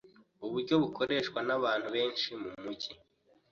uburyo bukoreshwa n'abantu benshi mu mijyi,